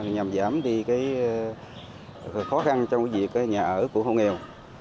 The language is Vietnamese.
nhằm giảm đi khó khăn trong việc nhà ở của hộ nghèo